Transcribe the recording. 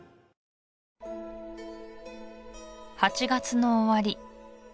８月の終わり